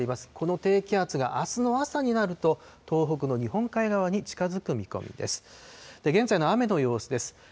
この低気圧があすの朝になると、東北の日本海側に近づく見込みです。